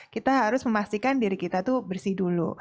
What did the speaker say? kita harus memastikan diri kita tuh bersih dulu